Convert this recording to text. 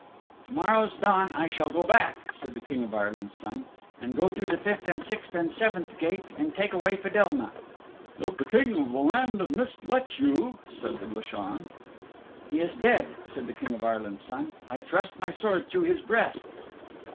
"To morrow's dawn I shall go back," said the King of Ireland's Son, "and go through the fifth and sixth and seventh gate and take away Fedelma." "If the King of the Land of Mist lets you," said the Glashan. "He is dead," said the King of Ireland's Son, "I thrust my sword through his breast."